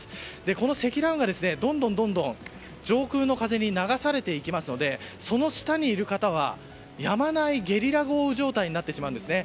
この積乱雲がどんどんどんどん上空の風に流されていきますのでその下にいる方はやまないゲリラ豪雨状態になってしまうんですね。